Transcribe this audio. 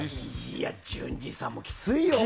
いや、淳二さんもきついよ。